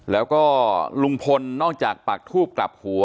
แล้วก็ลุงพลนอกจากปากทูบกลับหัว